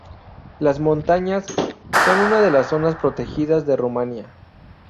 Las montañas son una de las zonas protegidas de Rumania.